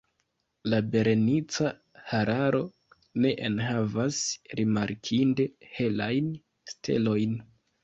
La Berenica Hararo ne enhavas rimarkinde helajn stelojn.